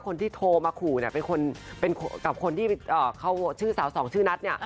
คนที่โทรมาขอว่ากับคนที่เขาชื่อสาวสองชื่อนัท